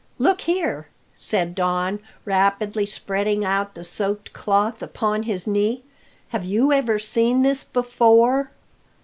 "Look here," said Don, rapidly spreading out the soaked cloth upon his knee, "have you ever seen this before?"